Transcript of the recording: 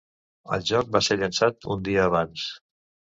El joc va ser llançat un dia abans.